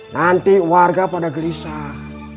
nanti warga pada gelisah